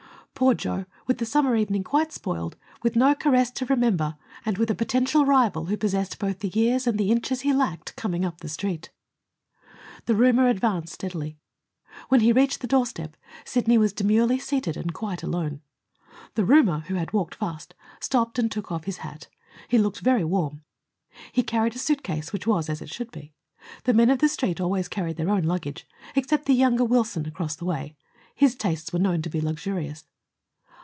Poor Joe, with the summer evening quite spoiled, with no caress to remember, and with a potential rival who possessed both the years and the inches he lacked, coming up the Street! The roomer advanced steadily. When he reached the doorstep, Sidney was demurely seated and quite alone. The roomer, who had walked fast, stopped and took off his hat. He looked very warm. He carried a suitcase, which was as it should be. The men of the Street always carried their own luggage, except the younger Wilson across the way. His tastes were known to be luxurious.